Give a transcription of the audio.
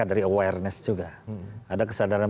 awareness juga ada kesadaran